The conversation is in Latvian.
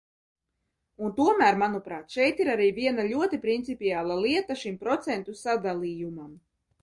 Un tomēr, manuprāt, šeit ir arī viena ļoti principiāla lieta šim procentu sadalījumam.